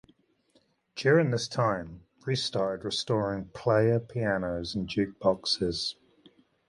During this time, Reiss started restoring player pianos and jukeboxes.